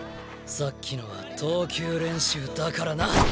さっきのは投球練習だからな！